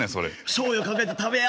「しょうゆかけて食べや」